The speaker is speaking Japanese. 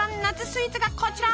スイーツがこちら。